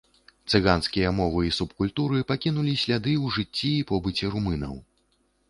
Цыганскія мовы і субкультуры пакінулі сляды ў жыцці і побыце румынаў.